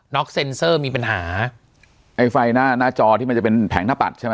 เซ็นเซอร์มีปัญหาไอ้ไฟหน้าหน้าจอที่มันจะเป็นแผงหน้าปัดใช่ไหม